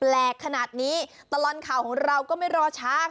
แหลกขนาดนี้ตลอดข่าวของเราก็ไม่รอช้าค่ะ